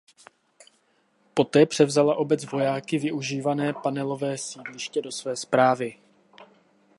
Poté převzala obec vojáky využívané panelové sídliště do své správy.